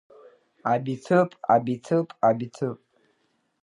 Абиҭыԥ, абиҭыԥ, абиҭыԥ…